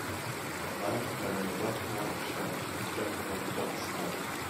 a man wearing a black and white shirt jumping on a dog 's back